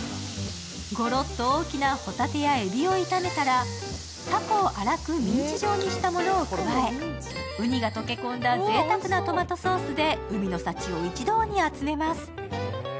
ゴロッと大きなほたてやえびを炒めたら、たこを荒くミンチ状にしたものを加え、うにが溶け込んだぜいたくなトマトソースで、海の幸を一同に集めます。